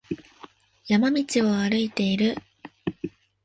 山道を歩いている。